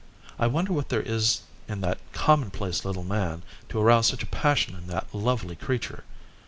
I wonder what there is in that commonplace little man to arouse such a passion in that lovely creature.